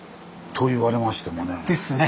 ですね。